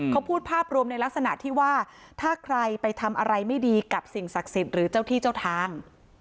เขาพูดภาพรวมในลักษณะที่ว่าถ้าใครไปทำอะไรไม่ดีกับสิ่งศักดิ์สิทธิ์หรือเจ้าที่เจ้าทาง